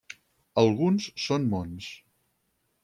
Alguns són Mons.